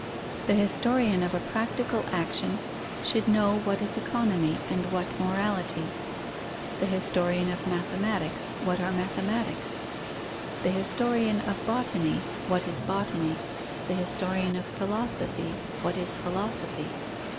The historian of a practical action should know what is economy and what morality; the historian of mathematics, what are mathematics; the historian of botany, what is botany; the historian of philosophy, what is philosophy.